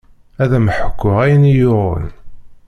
Ad m-d-ḥkuɣ ayen i yi-yuɣen.